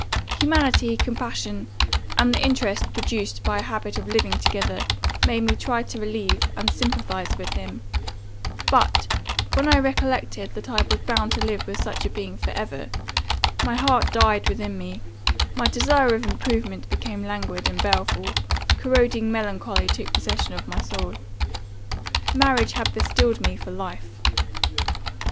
Humanity, compassion, and the interest produced by a habit of living together, made me try to relieve, and sympathize with him; but, when I recollected that I was bound to live with such a being for ever my heart died within me; my desire of improvement became languid, and baleful, corroding melancholy took possession of my soul. Marriage had bastilled me for life.